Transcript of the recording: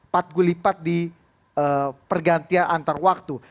patgu lipat di pergantian antar waktu